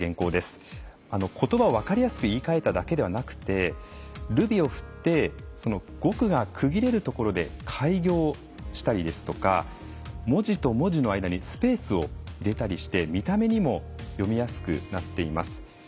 ことばを分かりやすく言いかえただけではなくてルビを振って語句が区切れるところで改行したり文字と文字の間にスペースを入れたりして見た目にも読みやすくなっています。